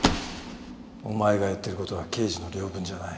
お前がやってる事は刑事の領分じゃない。